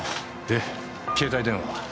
で携帯電話は？